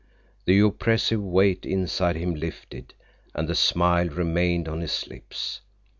The oppressive weight inside him lifted, and the smile remained on his lips.